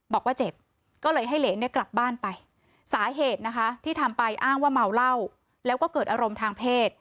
บอกว่าเจ็บก็เลยให้เหรนเนี่ยกลับบ้านไปสาเหตุนะคะที่ทำไปอ้างว่าเมาเหล้าแล้วก็เกิดอารมณ์ทางเพศ